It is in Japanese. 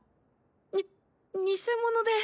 にっ偽物で。